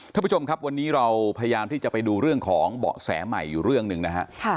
ท่านผู้ชมครับวันนี้เราพยายามที่จะไปดูเรื่องของเบาะแสใหม่อยู่เรื่องหนึ่งนะฮะ